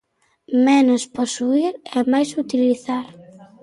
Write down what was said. Menos posuír e máis utilizar.